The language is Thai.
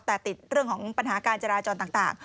แต่ติดเรื่องของปัญหาการจราจรต่าง